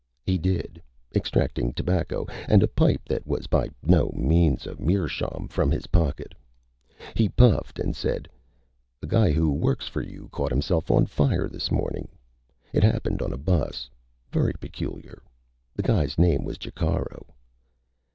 He did, extracting tobacco and a pipe that was by no means a meerschaum from his pocket. He puffed and said: "A guy who works for you caught himself on fire this mornin'. It happened on a bus. Very peculiar. The guy's name was Jacaro."